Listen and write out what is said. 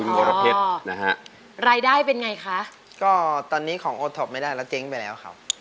มรเพชรนะฮะรายได้เป็นไงคะก็ตอนนี้ของโอท็อปไม่ได้แล้วเจ๊งไปแล้วครับ